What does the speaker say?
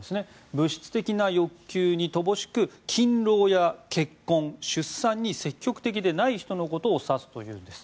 物質的な欲求に乏しく勤労や結婚出産に積極的でない人を指すというのです。